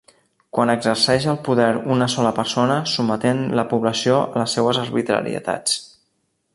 Quan exerceix el poder una sola persona, sotmetent la població a les seues arbitrarietats.